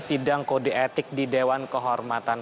sidang kode etik di dewan kehormatan